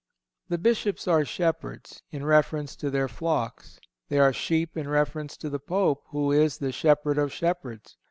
The Bishops are shepherds, in reference to their flocks; they are sheep, in reference to the Pope, who is the shepherd of shepherds.